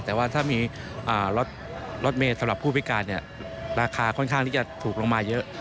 แต่ว่าถ้ามีรถเมย์สำหรับผู้พิการราคาค่อนข้างที่จะถูกลงมาเยอะ